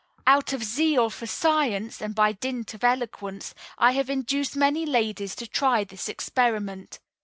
Out of zeal for science, and by dint of eloquence, I have induced many ladies to try this experiment.